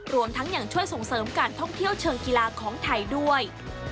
รวมทั้งยังช่วยส่งเสริมการท่องเที่ยวเชิงกีฬาของไทยด้วย